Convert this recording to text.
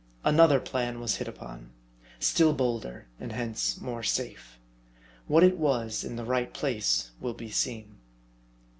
Another plan was hit upon ; still bolder ; and hence more safe. What it was, in the right place will be seen.